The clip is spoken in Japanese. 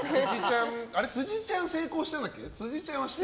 辻ちゃん、成功したんだっけ？